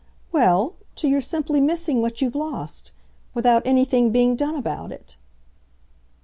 "Well, to your simply missing what you've lost without anything being done about it."